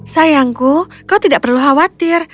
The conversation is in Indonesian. sayangku kau tidak perlu khawatir